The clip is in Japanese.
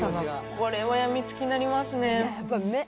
これは病みつきになりますね